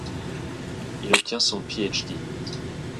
Il obtient son Ph.D.